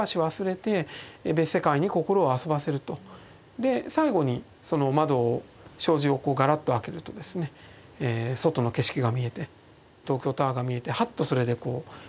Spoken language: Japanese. で最後にその窓を障子をガラッと開けるとですね外の景色が見えて東京タワーが見えてはっとそれで我に返るといいますか。